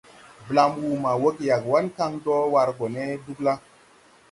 Blam wuu ma woge Yagoan kan do war gɔ ne Dugla.